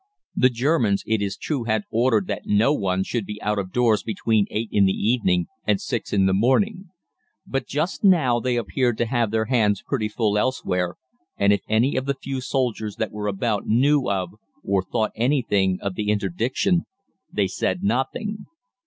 The Germans, it is true, had ordered that no one should be out of doors between eight in the evening and six in the morning; but just now they appeared to have their hands pretty full elsewhere, and if any of the few soldiers that were about knew of or thought anything of the interdiction, they said nothing.